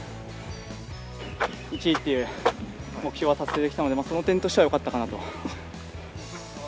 １位という目標は達成できたので、その点としてはよかったかなと。